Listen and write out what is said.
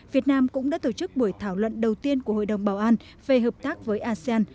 việt nam cũng đã tổ chức buổi thảo luận đầu tiên của hội đồng bảo an về hợp tác với asean